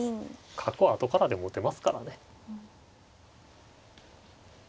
角はあとからでも打てますからね。